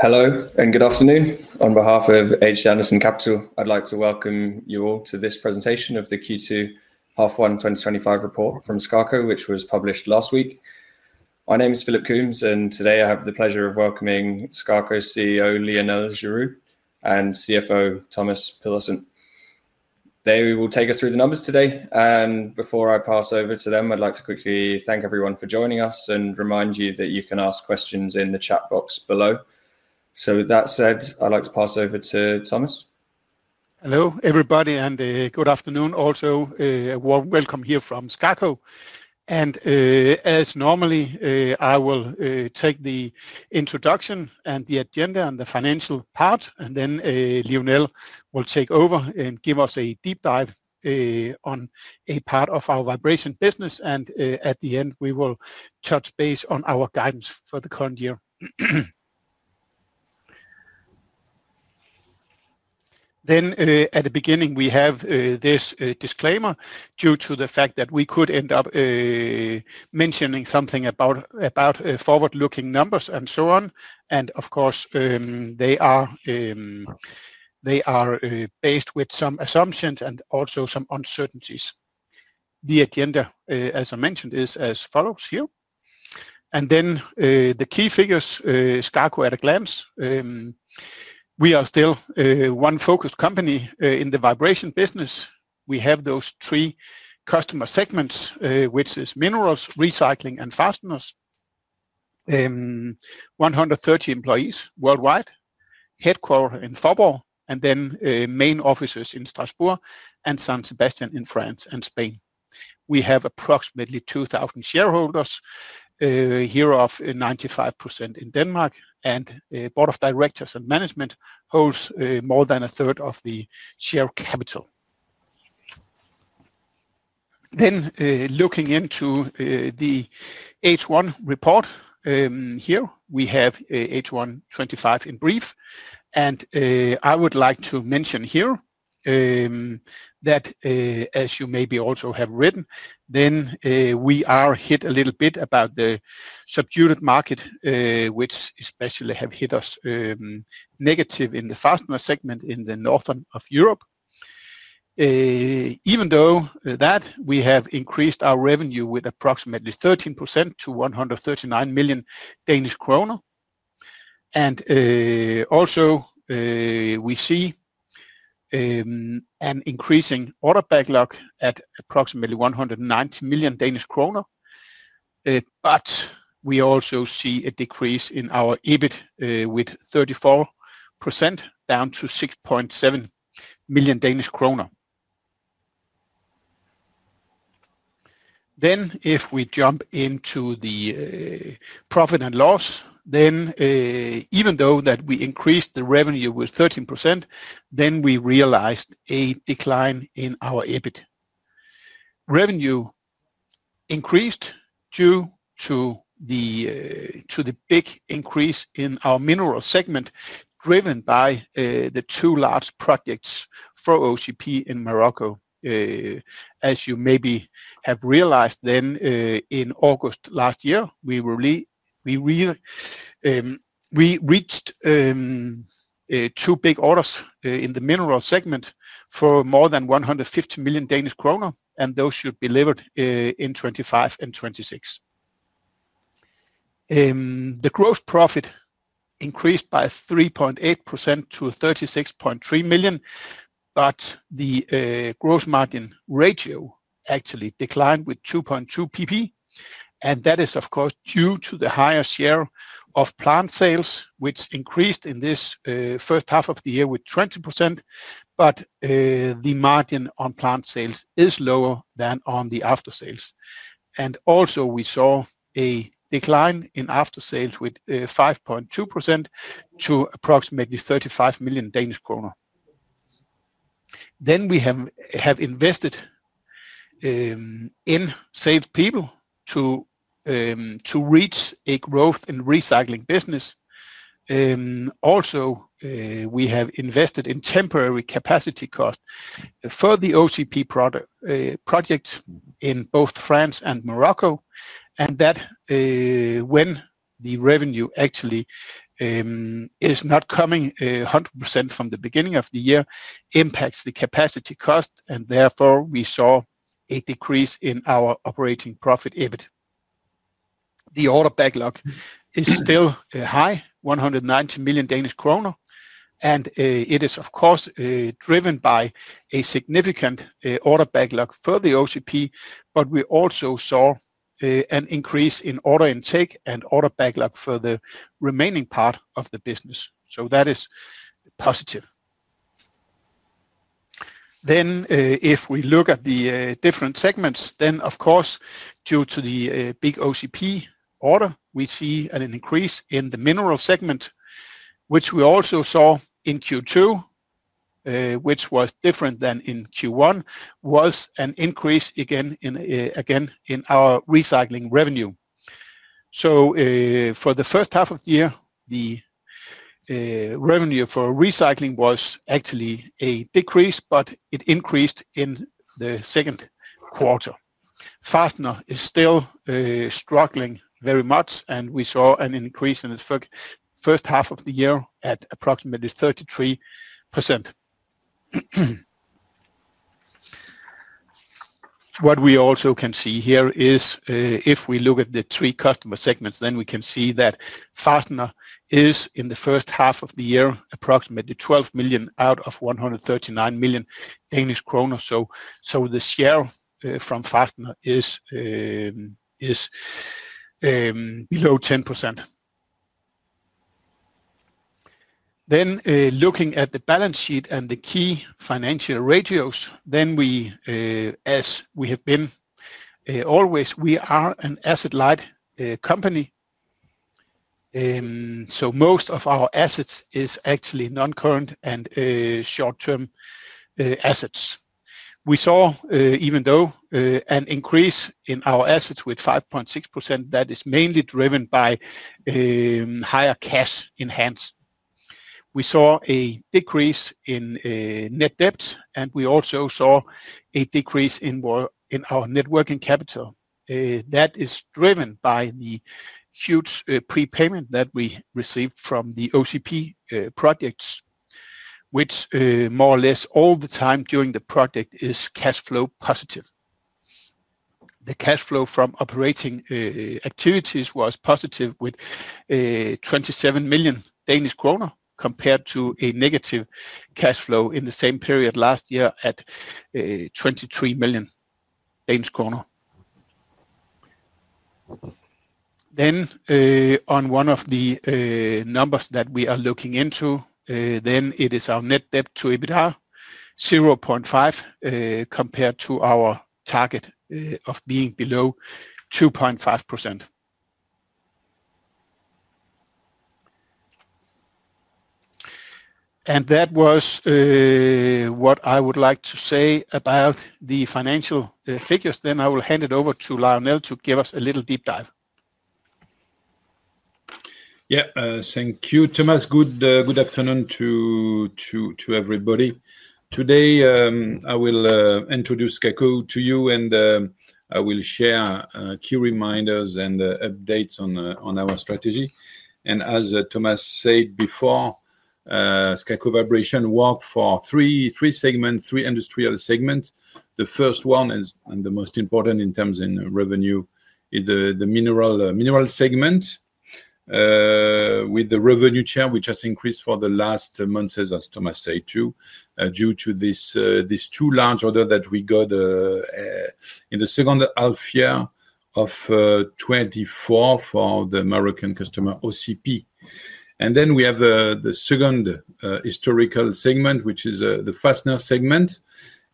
Hello and good afternoon. On behalf of HC Andersen Capital, I'd like to welcome you all to this presentation of the Q2 Half One 2025 Report from SKAKO, which was published last week. My name is Philip Coombs, and today I have the pleasure of welcoming SKAKO's CEO, Lionel Girieud, and CFO Thomas Pedersen. They will take us through the numbers today. Before I pass over to them, I'd like to quickly thank everyone for joining us and remind you that you can ask questions in the chat box below. With that said, I'd like to pass over to Thomas. Hello everybody, and good afternoon also. A warm welcome here from SKAKO. As normally, I will take the introduction and the agenda on the financial part, and then Lionel will take over and give us a deep dive on a part of our vibration business. At the end, we will touch base on our guidance for the current year. At the beginning, we have this disclaimer due to the fact that we could end up mentioning something about forward-looking numbers and so on. Of course, they are based with some assumptions and also some uncertainties. The agenda, as I mentioned, is as follows here. The key figures, SKAKO at a glance. We are still one focused company in the vibration business. We have those three customer segments, which are minerals, recycling, and fasteners. 130 employees worldwide, headquartered in Faaborg, and then main offices in Strasbourg and San Sebastián in France and Spain. We have approximately 2,000 shareholders, hereof 95% in Denmark, and the Board of Directors and Management holds more than a 1/3 of the share capital. Looking into the H1 report, here we have H1 2025 in brief. I would like to mention here that, as you maybe also have written, we are hit a little bit by the subdued market, which especially has hit us negative in the fastener segment in the northern of Europe. Even though that, we have increased our revenue with approximately 13% to 139 million Danish kroner. We also see an increasing order backlog at approximately 190 million Danish kroner. We also see a decrease in our EBIT with 34% down to 6.7 million Danish kroner. If we jump into the profit and loss, even though that we increased the revenue with 13%, we realized a decline in our EBIT. Revenue increased due to the big increase in our minerals segment driven by the two large projects for OCP in Morocco. As you maybe have realized, in August last year, we reached two big orders in the minerals segment for more than 150 million Danish kroner, and those should be delivered in 2025 and 2026. The gross profit increased by 3.8% to 36.3 million, but the gross margin ratio actually declined with 2.2 PP. That is, of course, due to the higher share of plant sales, which increased in this first half of the year with 20%. The margin on plant sales is lower than on the after-sales. We saw a decline in after-sales with 5.2% to approximately 35 million Danish kroner. We have invested in saved people to reach a growth in the recycling business. Also, we have invested in temporary capacity costs for the OCP projects in both France and Morocco. When the revenue actually is not coming 100% from the beginning of the year, it impacts the capacity cost. Therefore, we saw a decrease in our operating profit EBIT. The order backlog is still high, 190 million Danish kroner. It is, of course, driven by a significant order backlog for the OCP. We also saw an increase in order intake and order backlog for the remaining part of the business, which is positive. If we look at the different segments, due to the big OCP order, we see an increase in the minerals segment, which we also saw in Q2. Which was different than in Q1 was an increase again in our recycling revenue. For the first half of the year, the revenue for recycling was actually a decrease, but it increased in the second quarter. fastener is still struggling very much, and we saw an increase in the first half of the year at approximately 33%. What we also can see here is if we look at the three customer segments, fastener is in the first half of the year approximately 12 million out of 139 million Danish kroner. The share from fastener is below 10%. Looking at the balance sheet and the key financial ratios, as we have been always, we are an asset-light company. Most of our assets are actually non-current and short-term assets. We saw an increase in our assets with 5.6% that is mainly driven by higher cash-in-hands. We saw a decrease in net debt, and we also saw a decrease in our net working capital. That is driven by the huge prepayment that we received from the OCP projects, which more or less all the time during the project is cash flow positive. The cash flow from operating activities was positive with 27 million Danish kroner compared to a negative cash flow in the same period last year at 23 million Danish kroner. On one of the numbers that we are looking into, it is our net debt to EBITDA 0.5% compared to our target of being below 2.5%. That was what I would like to say about the financial figures. I will hand it over to Lionel to give us a little deep dive. Yeah, thank you, Thomas. Good afternoon to everybody. Today, I will introduce SKAKO to you, and I will share key reminders and updates on our strategy. As Thomas said before, SKAKO Vibration works for three segments, three industrial segments. The first one and the most important in terms of revenue is the minerals segment with the revenue share which has increased for the last month, as Thomas said, too, due to these two large orders that we got in the second-half year of 2024 for the Moroccan customer OCP. We have the second historical segment, which is the fastener segment,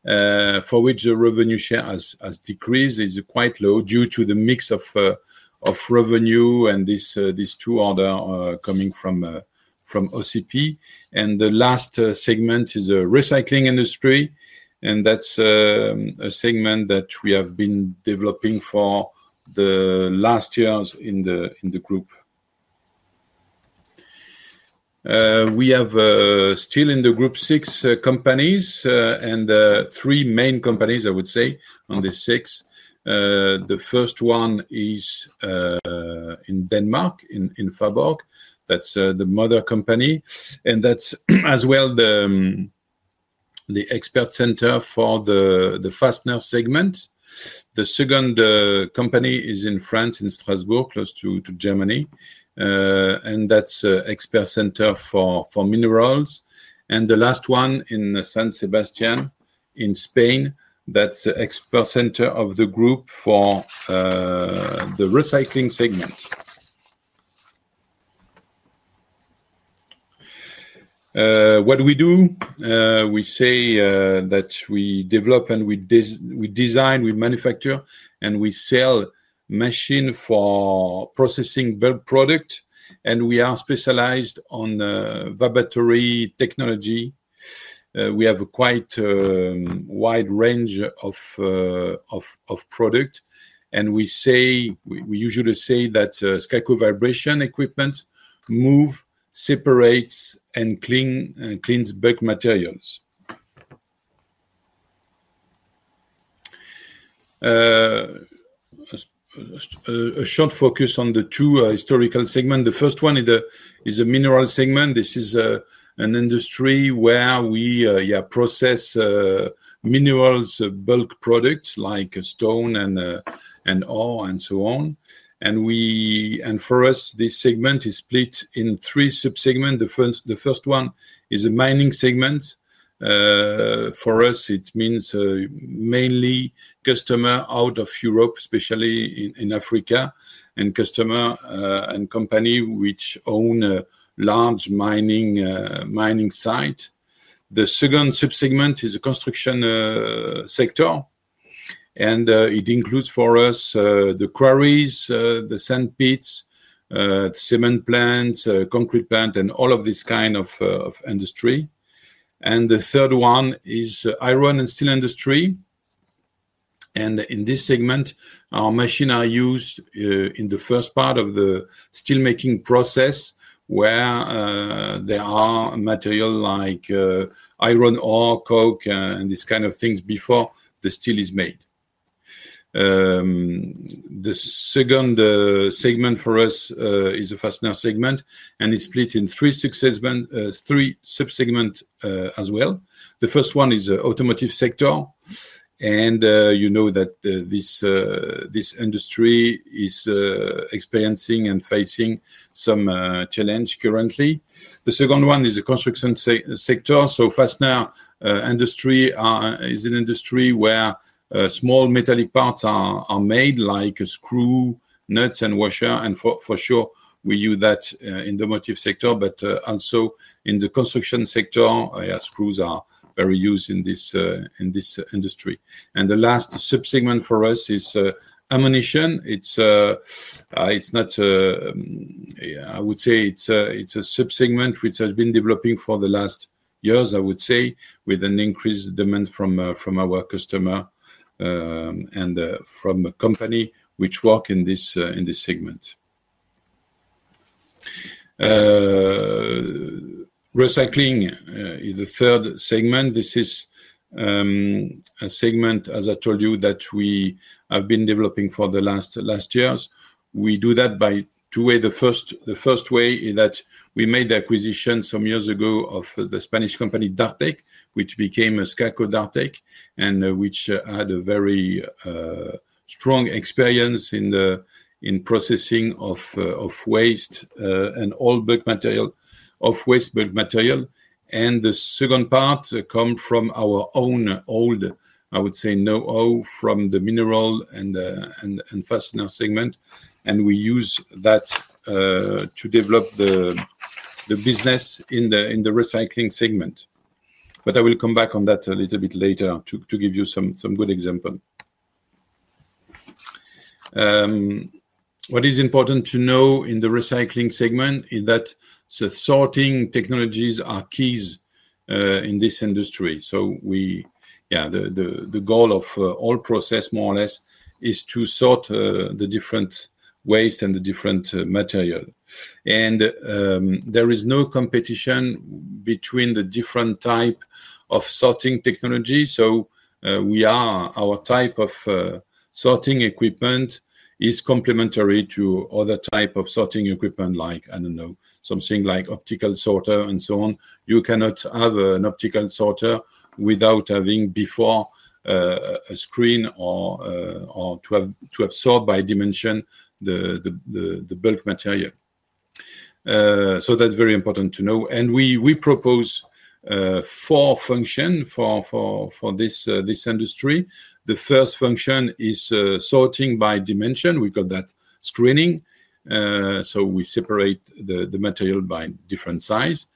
for which the revenue share has decreased. It's quite low due to the mix of revenue and these two orders coming from OCP. The last segment is the recycling industry, and that's a segment that we have been developing for the last years in the group. We have still in the group six companies and three main companies, I would say, on the six. The first one is in Denmark, in Faaborg. That's the mother company. That's as well the expert center for the fastener segment. The second company is in France, in Strasbourg, close to Germany. That's an expert center for minerals. The last one in San Sebastián in Spain, that's the expert center of the group for the recycling segment. What we do, we say that we develop and we design, we manufacture, and we sell machines for processing bulk product. We are specialized on vibratory technology. We have a quite wide range of products. We usually say that SKAKO Vibration equipment moves, separates, and cleans bulk materials. A short focus on the two historical segments. The first one is the minerals segment. This is an industry where we process minerals, bulk products like stone and ore, and so on. For us, this segment is split in three sub-segments. The first one is a mining segment. For us, it means mainly customers out of Europe, especially in Africa, and customers and companies which own large mining sites. The second sub-segment is the construction sector. It includes for us the quarries, the sand pits, cement plants, concrete plants, and all of this kind of industry. The third one is the iron and steel industry. In this segment, our machines are used in the first part of the steel-making process where there are materials like iron ore, coke, and these kinds of things before the steel is made. The second segment for us is the Fastener segment. It's split in three sub-segments as well. The first one is the Automotive sector. You know that this industry is experiencing and facing some challenges currently. The second one is the Construction sector. The Fastener industry is an industry where small metallic parts are made, like screws, nuts, and washers. For sure, we use that in the Automotive sector, but also in the Construction sector. Screws are very used in this industry. The last sub-segment for us is ammunition. I would say it's a sub-segment which has been developing for the last years, with an increased demand from our customers and from companies which work in this segment. Recycling is the third segment. This is a segment, as I told you, that we have been developing for the last years. We do that by two ways. The first way is that we made the acquisition some years ago of the Spanish company DARTEK, which became SKAKO DARTEK, and which had a very strong experience in processing of waste and old bulk materials. The second part comes from our own old, I would say, know-how from the mineral and Fastener segment. We use that to develop the business in the Recycling segment. I will come back on that a little bit later to give you some good examples. What is important to know in the Recycling segment is that sorting technologies are key in this industry. The goal of all processes, more or less, is to sort the different waste and the different materials. There is no competition between the different types of sorting technologies. Our type of sorting equipment is complementary to other types of sorting equipment, like, I don't know, something like optical sorter and so on. You cannot have an optical sorter without having before a screen or to have sorted by dimension the bulk material. That's very important to know. We propose four functions for this industry. The first function is Sorting by dimension. We call that screening. We separate the material by different sizes.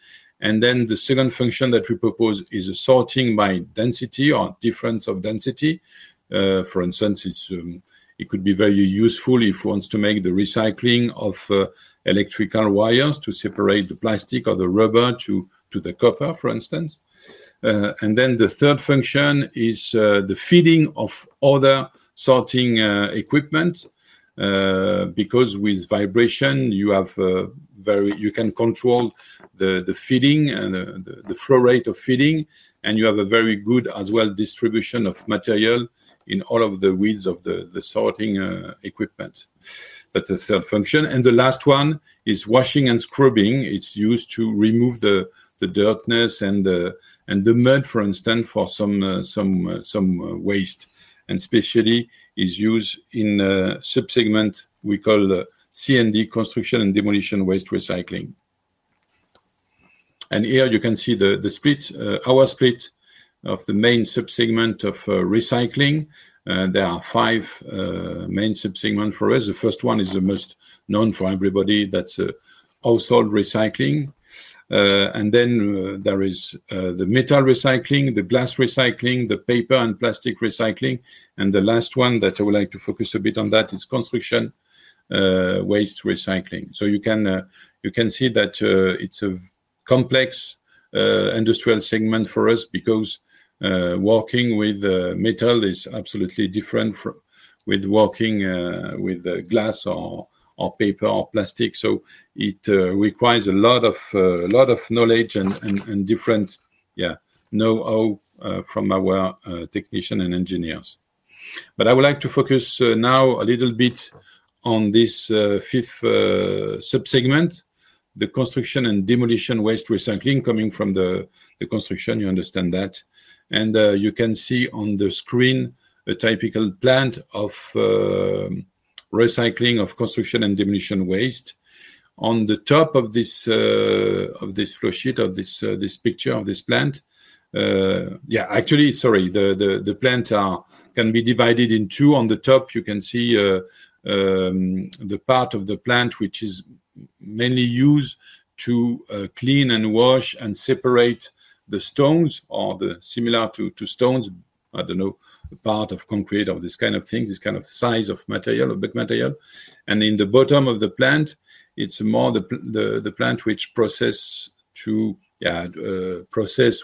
The second function that we propose is Sorting by density or difference of density. For instance, it could be very useful if one wants to make the recycling of electrical wires to separate the plastic or the rubber to the copper, for instance. The third function is the Feeding of other sorting equipment because with vibration, you can control the feeding and the flow rate of feeding. You have a very good, as well, distribution of material in all of the wheels of the sorting equipment. That's the third function. The last one is Washing and Scrubbing. It's used to remove the dirt and the mud, for instance, for some waste. Especially, it's used in a sub-segment we call the C&D, Construction and Demolition waste recycling. Here you can see our split of the main sub-segment of recycling. There are five main sub-segments for us. The first one is the most known for everybody. That's Household recycling. Then there is the Metal recycling, the Glass recycling, the Paper and Plastic recycling. The last one that I would like to focus a bit on is Construction waste recycling. You can see that it's a complex industrial segment for us because working with metal is absolutely different from working with glass or paper or plastic. It requires a lot of knowledge and different know-how from our technicians and engineers. I would like to focus now a little bit on this fifth sub-segment, the Construction and Demolition waste recycling coming from the construction. You understand that. You can see on the screen a typical plant of recycling of Construction and Demolition waste. On the top of this flowsheet, of this picture of this plant, actually, the plants can be divided in two. On the top, you can see the part of the plant which is mainly used to clean and wash and separate the stones or the similar to stones, part of concrete or this kind of thing, this kind of size of material, of big material. In the bottom of the plant, it's more the plant which processes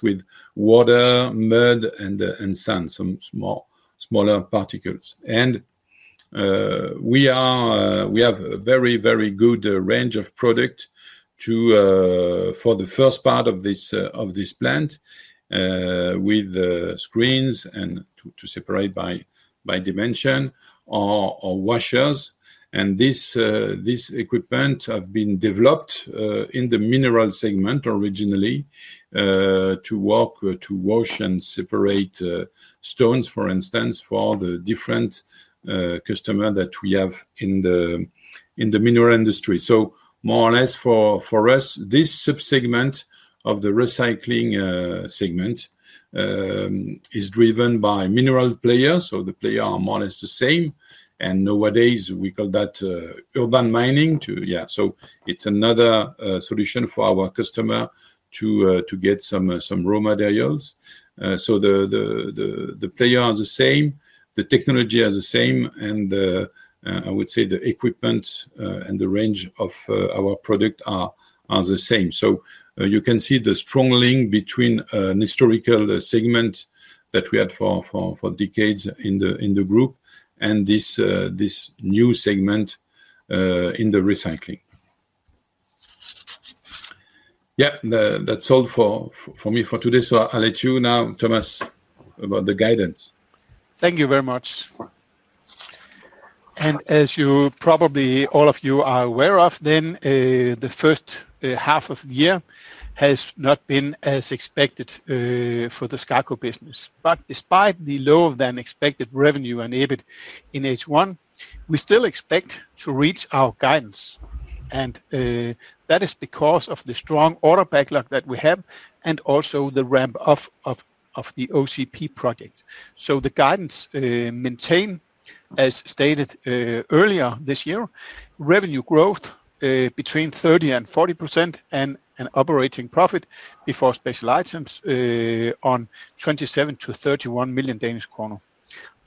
with water, mud, and sand, some smaller particles. We have a very, very good range of products for the first part of this plant with screens to separate by dimension or washers. This equipment has been developed in the mineral segment originally to work to wash and separate stones, for instance, for the different customers that we have in the mineral industry. More or less for us, this sub-segment of the recycling segment is driven by mineral players. The players are more or less the same. Nowadays, we call that urban mining. It's another solution for our customers to get some raw materials. The players are the same. The technology is the same. I would say the equipment and the range of our products are the same. You can see the strong link between an historical segment that we had for decades in the group and this new segment in the recycling. That's all for me for today. I'll let you now, Thomas, about the guidance. Thank you very much. As you probably, all of you are aware of, the first-half of the year has not been as expected for the SKAKO business. Despite the lower than expected revenue and EBIT in H1, we still expect to reach our guidance. That is because of the strong order backlog that we have and also the ramp-up of the OCP project. The guidance maintains, as stated earlier this year, revenue growth between 30% and 40% and an operating profit before special items of 27 million- 31 million Danish kroner.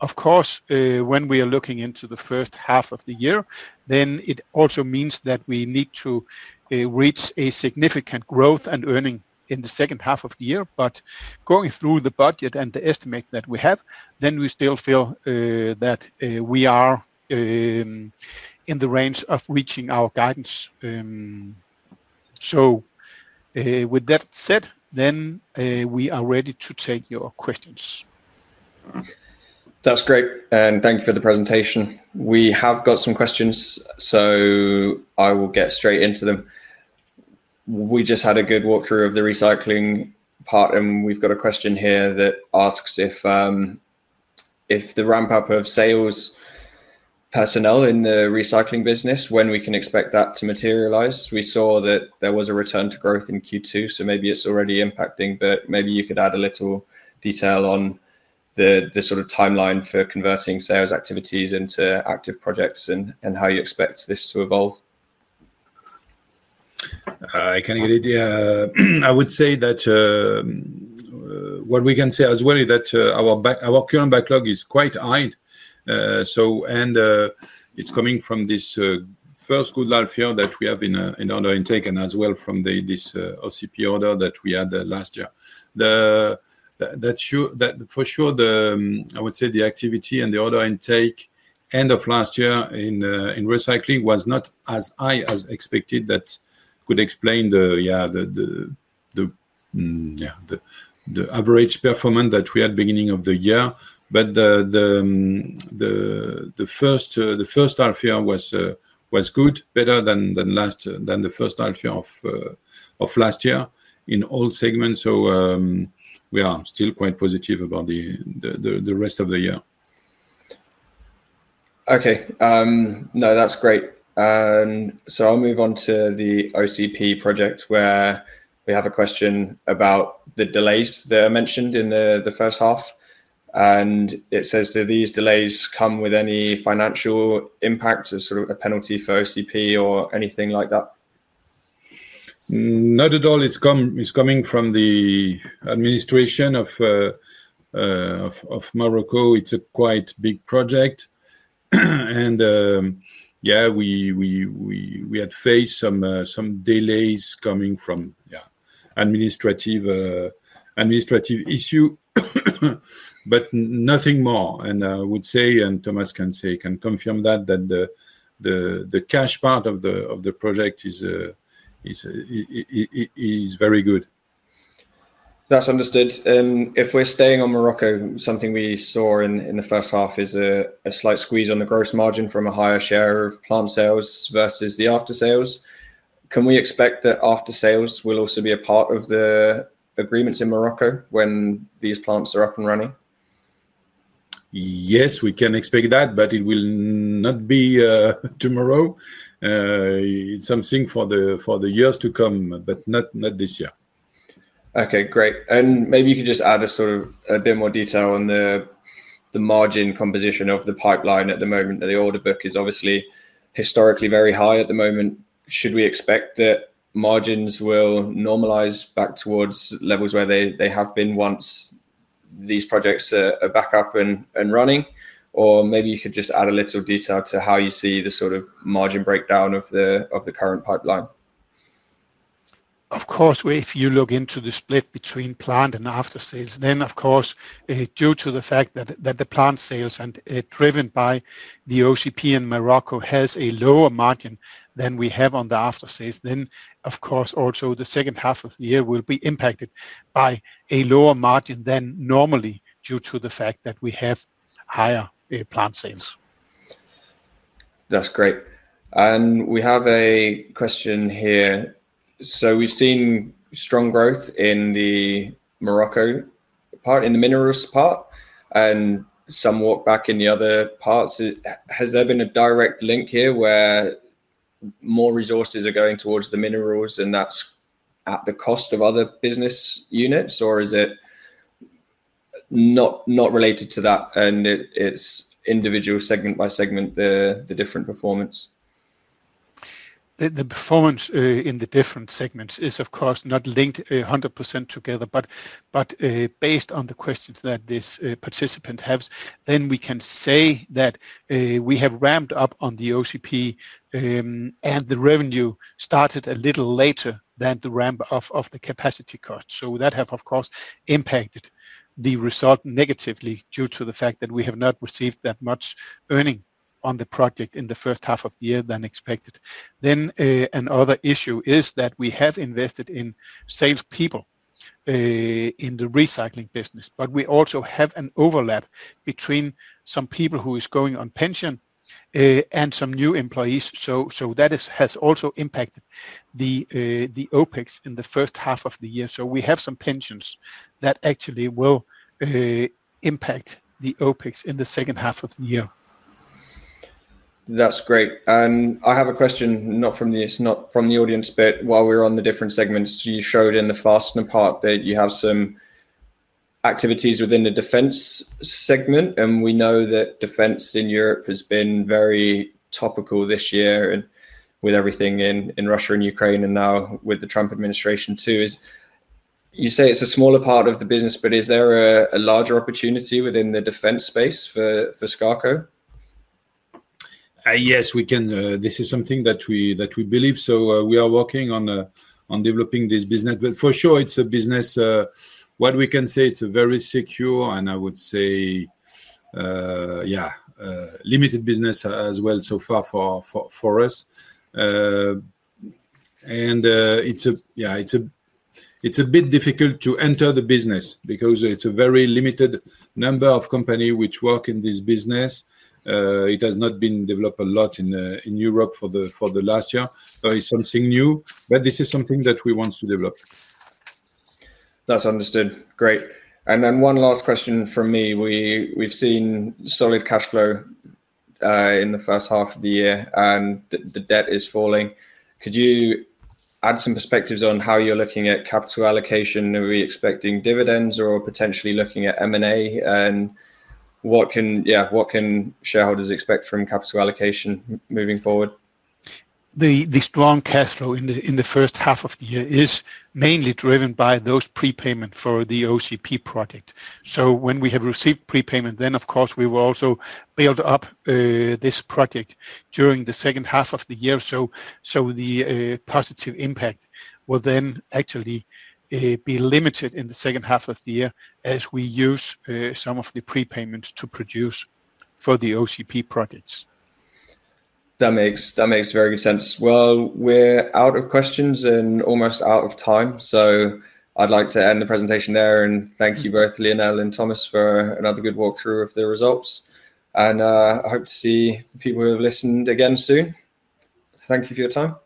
Of course, when we are looking into the first half of the year, it also means that we need to reach significant growth and earnings in the second half of the year. Going through the budget and the estimate that we have, we still feel that we are in the range of reaching our guidance. With that said, we are ready to take your questions. That's great. Thank you for the presentation. We have got some questions, so I will get straight into them. We just had a good walkthrough of the recycling part, and we've got a question here that asks if the ramp-up of sales personnel in the recycling business, when we can expect that to materialize. We saw that there was a return to growth in Q2, so maybe it's already impacting, but maybe you could add a little detail on the sort of timeline for converting sales activities into active projects and how you expect this to evolve. I can give you the... I would say that what we can say as well is that our current backlog is quite high, and it's coming from this first good last year that we have in order intake and as well from this OCP order that we had last year. For sure, I would say the activity and the order intake end of last year in recycling was not as high as expected. That would explain the average performance that we had at the beginning of the year. The first-half year was good, better than the first-half year of last year in all segments. We are still quite positive about the rest of the year. Okay, that's great. I'll move on to the OCP project where we have a question about the delays that are mentioned in the first-half. It says, do these delays come with any financial impacts or sort of a penalty for OCP or anything like that? Not at all. It's coming from the administration of Morocco. It's a quite big project. We had faced some delays coming from an administrative issue, but nothing more. I would say, and Thomas can confirm, that the cash part of the project is very good. That's understood. If we're staying on Morocco, something we saw in the first-half is a slight squeeze on the gross margin from a higher share of plant sales versus the after-sales. Can we expect that after-sales will also be a part of the agreements in Morocco when these plants are up and running? Yes, we can expect that, but it will not be tomorrow. It's something for the years to come, not this year. Okay, great. Maybe you could just add a bit more detail on the margin composition of the pipeline at the moment. The order book is obviously historically very high at the moment. Should we expect that margins will normalize back towards levels where they have been once these projects are back up and running? Maybe you could just add a little detail to how you see the margin breakdown of the current pipeline. Of course, if you look into the split between plant and after-sales, then of course, due to the fact that the plant sales are driven by the OCP in Morocco have a lower margin than we have on the after-sales, then of course also the second half of the year will be impacted by a lower margin than normally due to the fact that we have higher plant sales. That's great. We have a question here. We've seen strong growth in the Morocco part, in the minerals part, and somewhat back in the other parts. Has there been a direct link here where more resources are going towards the minerals and that's at the cost of other business units, or is it not related to that and it's individual segment by segment, the different performance? The performance in the different segments is of course not linked 100% together, but based on the questions that this participant has, we can say that we have ramped up on the OCP and the revenue started a little later than the ramp-up of the capacity costs. That has, of course, impacted the result negatively due to the fact that we have not received that much earning on the project in the first-half of the year than expected. Another issue is that we have invested in saved people in the recycling business, but we also have an overlap between some people who are going on pension and some new employees. That has also impacted the OpEx in the first-half of the year. We have some pensions that actually will impact the OpEx in the second-half of the year. That's great. I have a question, not from the audience, but while we're on the different segments, you showed in the fastener part that you have some activities within the defense segment. We know that defense in Europe has been very topical this year with everything in Russia and Ukraine and now with the Trump administration too. You say it's a smaller part of the business, but is there a larger opportunity within the defense space for SKAKO? Yes, we can. This is something that we believe. We are working on developing this business. It is a very secure and, I would say, limited business as well so far for us. It is a bit difficult to enter the business because it is a very limited number of companies which work in this business. It has not been developed a lot in Europe for the last year. It is something new, but this is something that we want to develop. That's understood. Great. One last question from me. We've seen solid cash flow in the first-half of the year and the debt is falling. Could you add some perspectives on how you're looking at capital allocation? Are we expecting dividends or potentially looking at M&A? What can shareholders expect from capital allocation moving forward? The strong cash flow in the first-half of the year is mainly driven by those prepayments for the OCP project. When we have received prepayments, of course we will also build up this project during the second-half of the year. The positive impact will then actually be limited in the second-half of the year as we use some of the prepayments to produce for the OCP projects. That makes very good sense. We're out of questions and almost out of time. I'd like to end the presentation there and thank you both, Lionel and Thomas, for another good walkthrough of the results. I hope to see people who have listened again soon. Thank you for your time. Thank you.